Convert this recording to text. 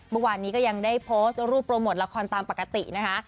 เมื่อวานนี้ก็ยังได้โพสต์รูปโปรโมทละครตามปกตินะคะ